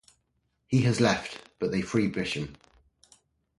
He has left, but they free Bisham.